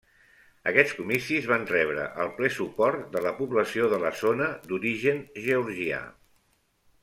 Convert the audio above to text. Aquests comicis van rebre el ple suport de la població de la zona d'origen georgià.